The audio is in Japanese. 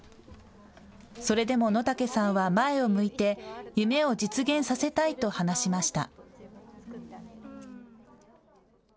それでも野武さんは前を向いて夢を実現させたいと話しました。